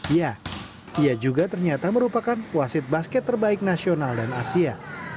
ya ia juga ternyata merupakan wasit basket terbaik nasional dan asia